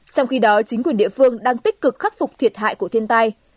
trong khi đó chính quyền địa phương đang tích cực khắc phục thiệt hại của thiên tai